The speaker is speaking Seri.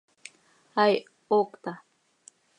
Aih, ¡hoocta!